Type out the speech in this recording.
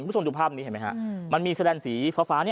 คุณผู้ชมดูภาพนี้เห็นไหมครับมันมีสันแลนด์สีฟ้านี่